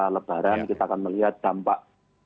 lebaran kita akan melihat dampak